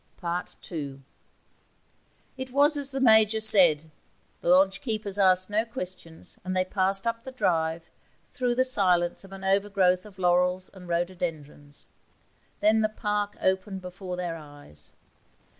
Part II It was as the Major said. The lodge keepers asked no questions, and they passed up the drive, through the silence of an overgrowth of laurels and rhododendrons. Then the park opened before their eyes.